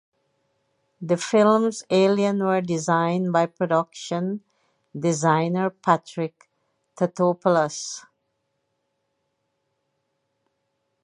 The film's aliens were designed by production designer Patrick Tatopoulos.